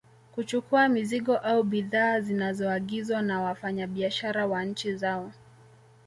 Kuchukua mizigo au bidhaa zinazoagizwa na wafanya biashara wa nchi zao